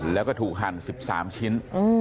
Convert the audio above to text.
แล้วก็ถูกหั่น๑๓ชิ้น